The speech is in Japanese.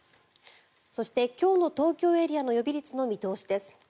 そして、今日の東京エリアの予備率の見通しです。